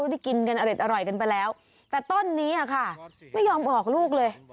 ได้กินกันอเด็ดอร่อยกันไปแล้วแต่ต้นนี้ค่ะไม่ยอมออกลูกเลย